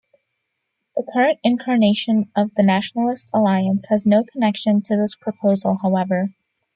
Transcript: The current incarnation of the Nationalist Alliance has no connection to this proposal however.